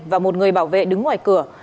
và một người bảo vệ đứng ngoài cửa